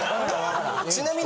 ちなみに。